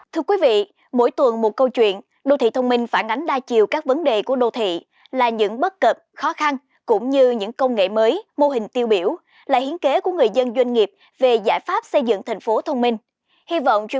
thưa quý vị phần tiếp theo chương trình như thường lệ sẽ là một công nghệ thông minh